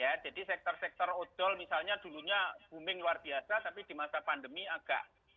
ya jadi sektor sektor ojol misalnya dulunya booming luar biasa tapi di masa pandemi agak